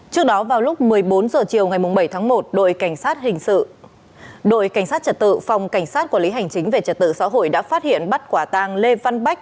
trước đó vào lúc một mươi bốn h chiều ngày bảy tháng một đội cảnh sát trật tự phòng cảnh sát quản lý hành chính về trật tự xã hội đã phát hiện bắt quả tang lê văn bách